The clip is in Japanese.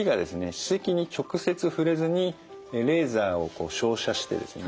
歯石に直接触れずにレーザーをこう照射してですね